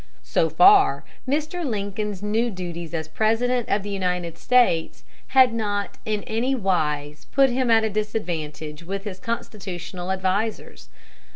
So far, Mr. Lincoln's new duties as President of the United States had not in any wise put him at a disadvantage with his constitutional advisers.